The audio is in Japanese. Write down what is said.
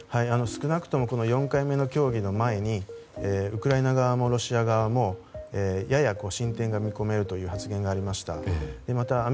少なくとも４回目の協議の前にウクライナ側もロシア側もやや進展が見込めるという発言がありました。